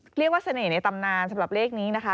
เรียกว่าเสน่ห์ในตำนานสำหรับเลขนี้นะคะ